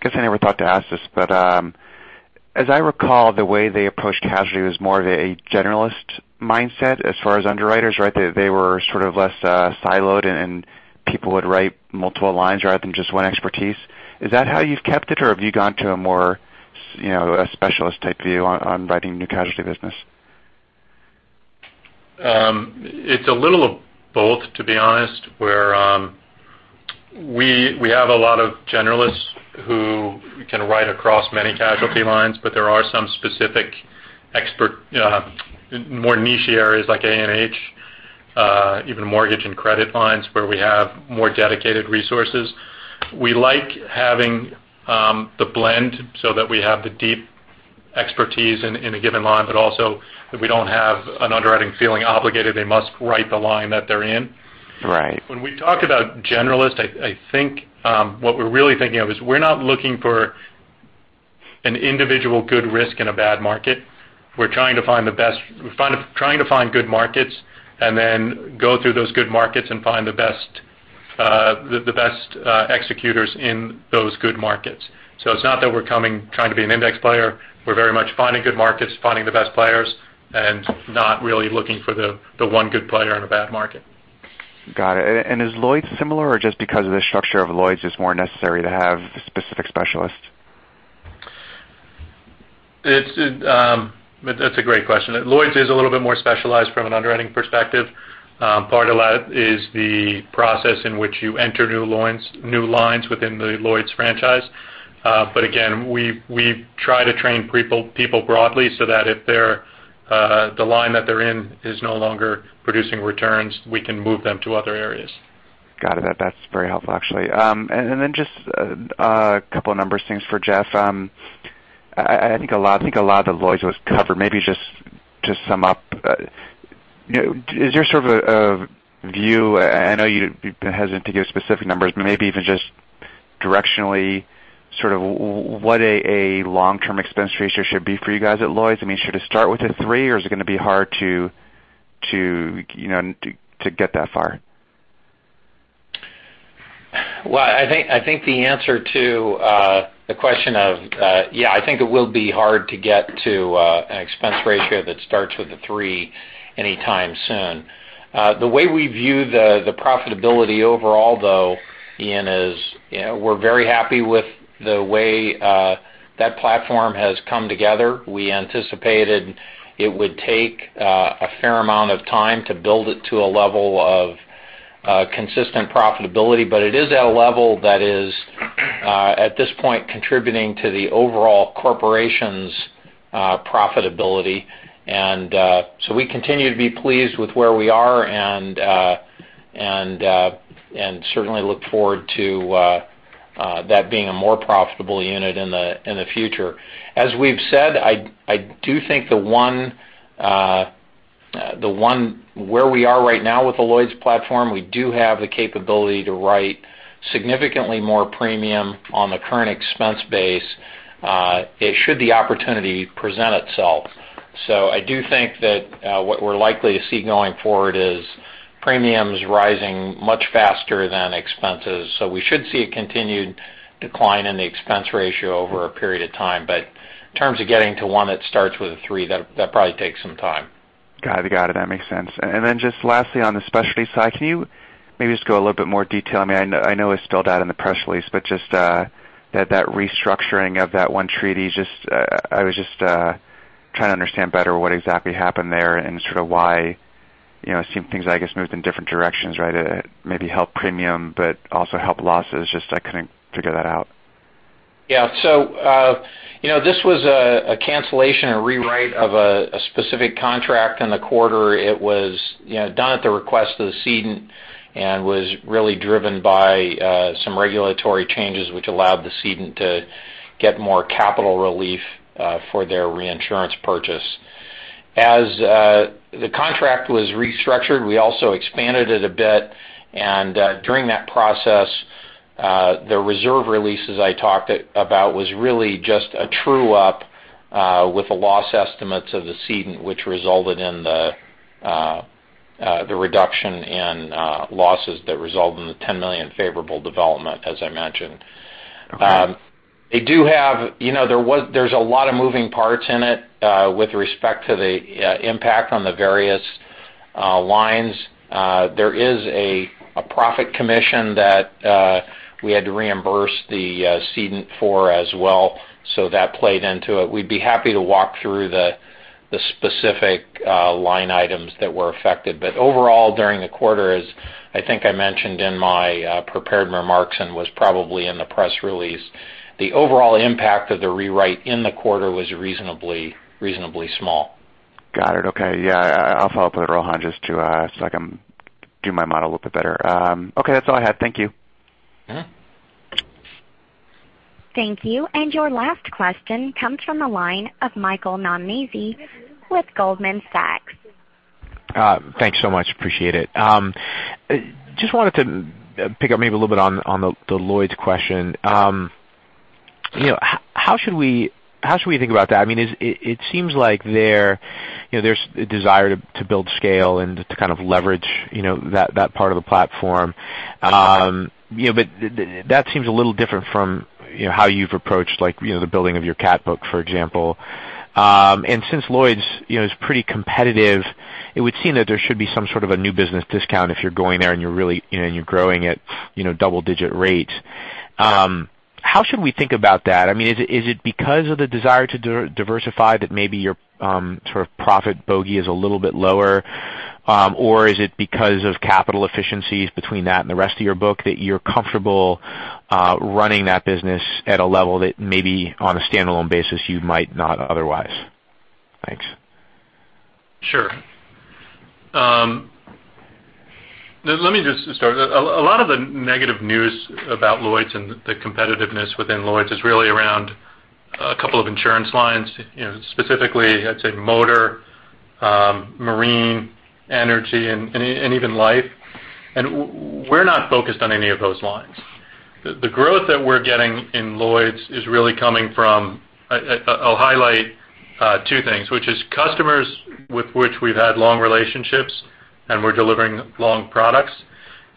guess I never thought to ask this, but as I recall, the way they approached casualty was more of a generalist mindset as far as underwriters, right? They were sort of less siloed, and people would write multiple lines rather than just one expertise. Is that how you've kept it, or have you gone to a more specialist-type view on writing new casualty business? It's a little of both, to be honest, where we have a lot of generalists who can write across many casualty lines, but there are some specific more niche areas like A&H, even mortgage and credit lines where we have more dedicated resources. We like having the blend so that we have the deep expertise in a given line, but also that we don't have an underwriting feeling obligated they must write the line that they're in. When we talk about generalist, I think what we're really thinking of is we're not looking for an individual good risk in a bad market. We're trying to find good markets and then go through those good markets and find the best executors in those good markets. It's not that we're trying to be an index player. We're very much finding good markets, finding the best players, and not really looking for the one good player in a bad market. Got it. Is Lloyd's similar, or just because of the structure of Lloyd's, it's more necessary to have specific specialists? That's a great question. Lloyd's is a little bit more specialized from an underwriting perspective. Part of that is the process in which you enter new lines within the Lloyd's franchise. Again, we try to train people broadly so that if the line that they're in is no longer producing returns, we can move them to other areas. Got it. That's very helpful, actually. Just a couple of numbers things for Jeff. I think a lot of the Lloyd's was covered. Maybe just to sum up, is there sort of a view? I know you've been hesitant to give specific numbers, but maybe even just directionally sort of what a long-term expense ratio should be for you guys at Lloyd's. I mean, should it start with a 3, or is it going to be hard to get that far? Well, I think the answer to the question of yeah, I think it will be hard to get to an expense ratio that starts with a 3 anytime soon. The way we view the profitability overall, though, Ian, is we're very happy with the way that platform has come together. We anticipated it would take a fair amount of time to build it to a level of consistent profitability, but it is at a level that is, at this point, contributing to the overall corporation's profitability. We continue to be pleased with where we are and certainly look forward to that being a more profitable unit in the future. As we've said, I do think the one where we are right now with the Lloyd's platform, we do have the capability to write significantly more premium on the current expense base should the opportunity present itself. I do think that what we're likely to see going forward is premiums rising much faster than expenses. We should see a continued decline in the expense ratio over a period of time. In terms of getting to one that starts with a 3, that probably takes some time. Got it. Got it. That makes sense. Just lastly, on the specialty side, can you maybe just go a little bit more detail? I mean, I know it's spelled out in the press release, but just that restructuring of that one treaty, I was just trying to understand better what exactly happened there and sort of why it seemed things, I guess, moved in different directions, right, to maybe help premium but also help losses. I couldn't figure that out. Yeah. This was a cancellation, a rewrite of a specific contract in the quarter. It was done at the request of the cedent and was really driven by some regulatory changes, which allowed the cedent to get more capital relief for their reinsurance purchase. As the contract was restructured, we also expanded it a bit. During that process, the reserve releases I talked about was really just a true-up with the loss estimates of the cedent, which resulted in the reduction in losses that resulted in the $10 million favorable development, as I mentioned. There's a lot of moving parts in it with respect to the impact on the various lines. There is a profit commission that we had to reimburse the cedent for as well, so that played into it. We'd be happy to walk through the specific line items that were affected. Overall, during the quarter, as I think I mentioned in my prepared remarks and was probably in the press release, the overall impact of the rewrite in the quarter was reasonably small. Got it. Okay. Yeah. I'll follow up with Rohan just so I can do my model a little bit better. Okay. That's all I had. Thank you. Thank you. Your last question comes from a line of Michael Nannizzi with Goldman Sachs. Thanks so much. Appreciate it. Just wanted to pick up maybe a little bit on the Lloyd's question. How should we think about that? I mean, it seems like there's a desire to build scale and to kind of leverage that part of the platform, but that seems a little different from how you've approached the building of your CAT book, for example. Since Lloyd's is pretty competitive, it would seem that there should be some sort of a new business discount if you're going there and you're really growing at double-digit rates. How should we think about that? I mean, is it because of the desire to diversify that maybe your sort of profit bogey is a little bit lower, or is it because of capital efficiencies between that and the rest of your book that you're comfortable running that business at a level that maybe on a standalone basis, you might not otherwise? Thanks. Sure. Let me just start. A lot of the negative news about Lloyd's and the competitiveness within Lloyd's is really around a couple of insurance lines. Specifically, I'd say Motor, Marine, Energy, and even Life. We're not focused on any of those lines. The growth that we're getting in Lloyd's is really coming from I'll highlight two things, which is customers with which we've had long relationships and we're delivering long products,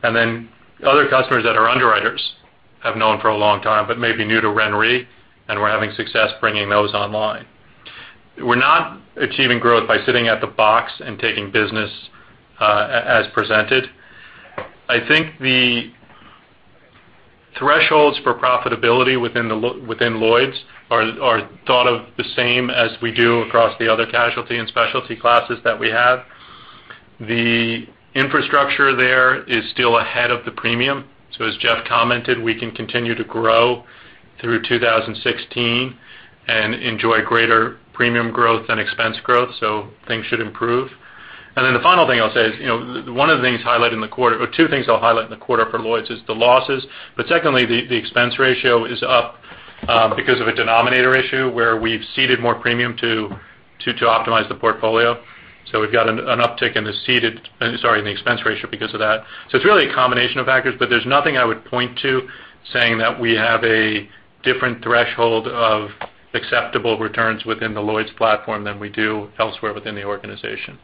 and then other customers that are underwriters I've known for a long time but may be new to RenRe, and we're having success bringing those online. We're not achieving growth by sitting at the box and taking business as presented. I think the thresholds for profitability within Lloyd's are thought of the same as we do across the other casualty and specialty classes that we have. The infrastructure there is still ahead of the premium. As Jeff commented, we can continue to grow through 2016 and enjoy greater premium growth than expense growth, so things should improve. The final thing I'll say is one of the things highlighted in the quarter or two things I'll highlight in the quarter for Lloyd's is the losses, but secondly, the expense ratio is up because of a denominator issue where we've ceded more premium to optimize the portfolio. We've got an uptick in the ceded, sorry, in the expense ratio because of that. It's really a combination of factors, but there's nothing I would point to saying that we have a different threshold of acceptable returns within the Lloyd's platform than we do elsewhere within the organization.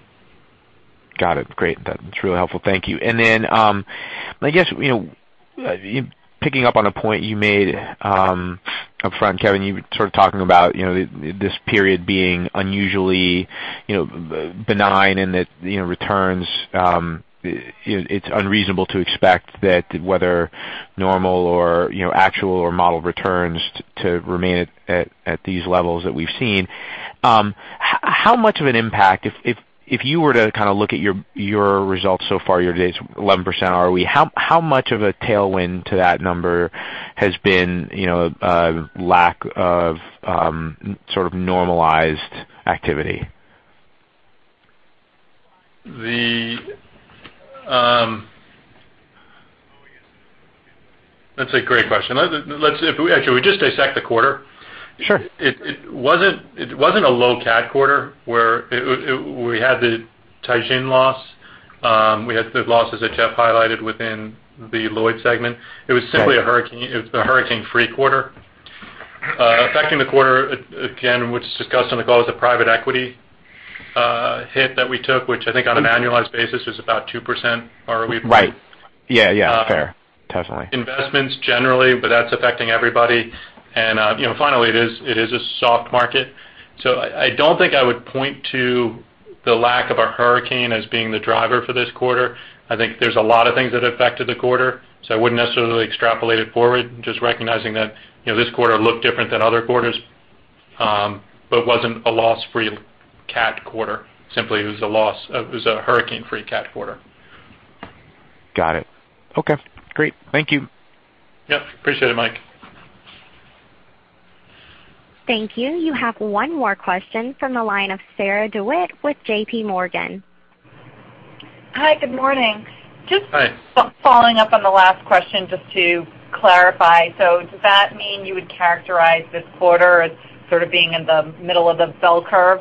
Got it. Great. That's really helpful. Thank you. I guess picking up on a point you made upfront, Kevin, you were sort of talking about this period being unusually benign and that returns it's unreasonable to expect that whether normal or actual or model returns to remain at these levels that we've seen. How much of an impact if you were to kind of look at your results so far your 11% ROE, how much of a tailwind to that number has been a lack of sort of normalized activity? That's a great question. Actually, if we just dissect the quarter, it wasn't a low-CAT quarter where we had the Tianjin loss. We had the losses that Jeff highlighted within the Lloyd's segment. It was simply a hurricane-free quarter. Affecting the quarter, again, which was discussed on the call, was a private equity hit that we took, which I think on an annualized basis was about 2% ROE. Right. Yeah. Yeah. Fair. Definitely. Investments generally, that's affecting everybody. Finally, it is a soft market. I don't think I would point to the lack of a hurricane as being the driver for this quarter. I think there's a lot of things that affected the quarter, I wouldn't necessarily extrapolate it forward, just recognizing that this quarter looked different than other quarters but wasn't a loss-free CAT quarter. Simply, it was a hurricane-free CAT quarter. Got it. Okay. Great. Thank you. Yep. Appreciate it, Mike. Thank you. You have one more question from the line of Sarah DeWitt with JPMorgan. Hi. Good morning. Just following up on the last question just to clarify. Does that mean you would characterize this quarter as sort of being in the middle of the bell curve?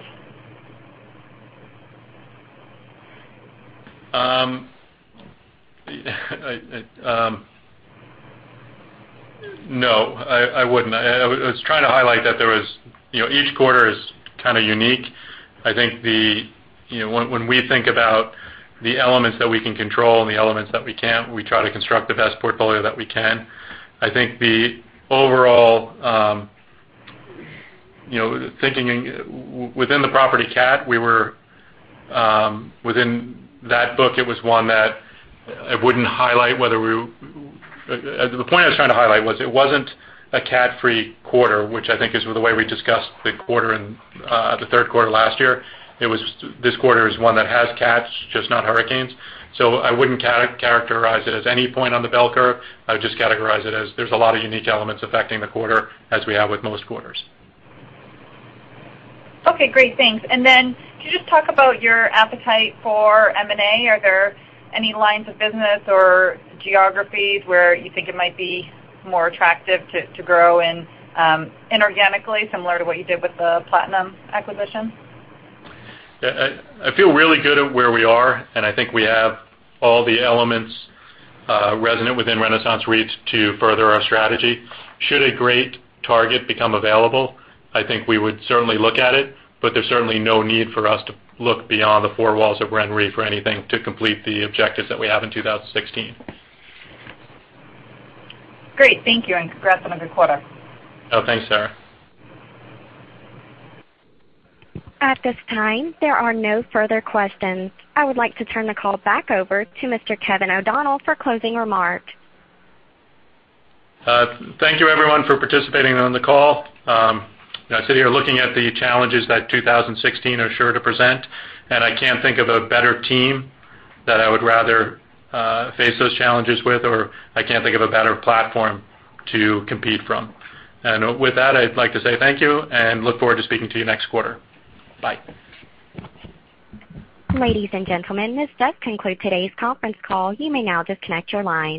No. I wouldn't. I was trying to highlight that each quarter is kind of unique. I think when we think about the elements that we can control and the elements that we can't, we try to construct the best portfolio that we can. I think the overall thinking within the Property Catastrophe, within that book, it was one that I wouldn't highlight. The point I was trying to highlight was it wasn't a CAT-free quarter, which I think is the way we discussed the quarter in the third quarter last year. This quarter is one that has CATs, just not hurricanes. I wouldn't characterize it as any point on the bell curve. I would just categorize it as there's a lot of unique elements affecting the quarter as we have with most quarters. Okay. Great. Thanks. Could you just talk about your appetite for M&A? Are there any lines of business or geographies where you think it might be more attractive to grow in organically similar to what you did with the Platinum acquisition? I feel really good at where we are, and I think we have all the elements resonant within RenaissanceRe to further our strategy. Should a great target become available, I think we would certainly look at it, but there's certainly no need for us to look beyond the four walls of RenRe for anything to complete the objectives that we have in 2016. Great. Thank you, and congrats on a good quarter. Oh, thanks, Sarah. At this time, there are no further questions. I would like to turn the call back over to Mr. Kevin O'Donnell for closing remarks. Thank you, everyone, for participating on the call. I sit here looking at the challenges that 2016 are sure to present, and I can't think of a better team that I would rather face those challenges with, or I can't think of a better platform to compete from. With that, I'd like to say thank you and look forward to speaking to you next quarter. Bye. Ladies and gentlemen, this does conclude today's conference call. You may now disconnect your line.